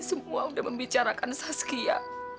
semua udah membicarakan saskia